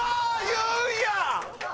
言うんや！